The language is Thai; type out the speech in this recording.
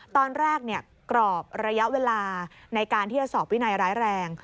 ตอนแรกกรอบระยะเวลาในการที่จะสอบวินัยร้ายแรง